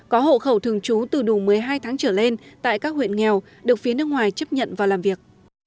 có hộ khẩu thường trú từ đủ một mươi hai tháng trở lên tại các huyện nghèo được phía nước ngoài chấp nhận và làm việc